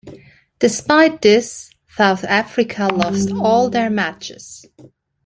Despite this, South Africa lost all their matches.